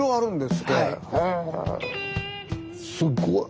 すっごい。